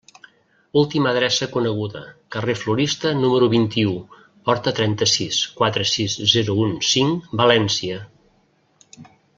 Última adreça coneguda: carrer Florista, número vint-i-u, porta trenta-sis, quatre sis zero un cinc, València.